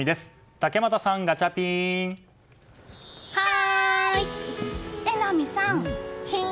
竹俣さん、ガチャピン！